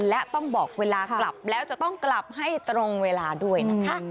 และต้องบอกเวลากลับแล้วจะต้องกลับให้ตรงเวลาด้วยนะคะ